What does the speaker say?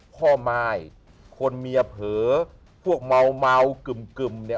ม่ายคนเมียเผลอพวกเมากึ่มเนี่ย